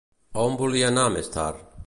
A on volia anar més tard?